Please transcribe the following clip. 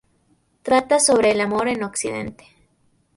Trata sobre el amor en Occidente.